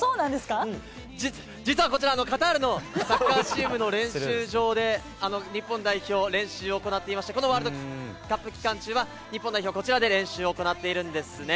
実はこちら、カタールのサッカーチームの練習場で、日本代表、練習を行っていまして、このワールドカップ期間中は、日本代表、こちらで練習を行っているんですね。